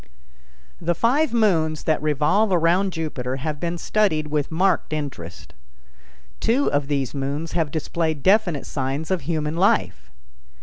The five moons that revolve around Jupiter have been studied with marked interest. Two of these moons have displayed definite signs of human life.